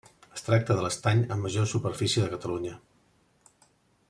Es tracta de l'estany amb major superfície de Catalunya.